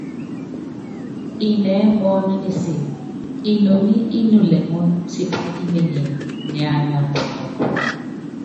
Inɛɛ́ mɔɔ́n nisil, inoní í nulɛŋɔn tipá ímenyen niana kunɔk.